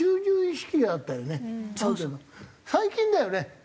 最近だよね。